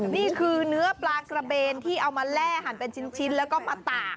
นี่คือเนื้อปลากระเบนที่เอามาแล่หั่นเป็นชิ้นแล้วก็มาตาก